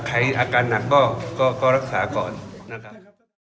ใครอาการหนักก็ก็ก็รักษาก่อนนะครับ